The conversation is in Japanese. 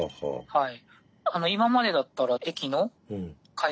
はい。